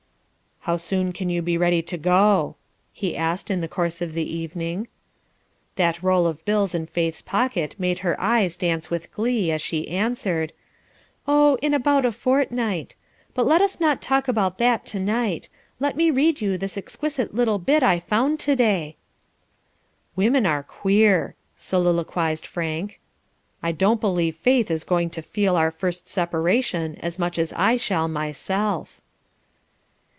"How soon can you be ready to go?" he asked in the course of the evening. That roll of bills in Faith's pocket made her eyes dance with glee, as she answered: "Oh, in about a fortnight; but let us not talk about that to night, let me read you this exquisite little bit I found to day." "Women are queer," soliloquized Frank. "I don't believe Faith is going to feel our first separation as much as I shall myself."